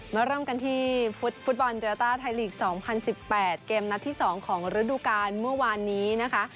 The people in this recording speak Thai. เริ่มกันที่ฟุตบอลโยต้าไทยลีก๒๐๑๘เกมนัดที่๒ของฤดูกาลเมื่อวานนี้นะคะ